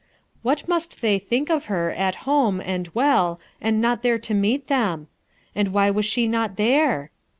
What must they think of her, at home, and well, and not there to meet them? And why was she not there?